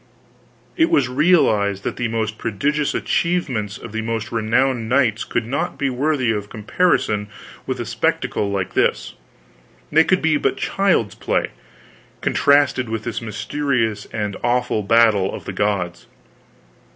It was realized that the most prodigious achievements of the most renowned knights could not be worthy of comparison with a spectacle like this; they could be but child's play, contrasted with this mysterious and awful battle of the gods.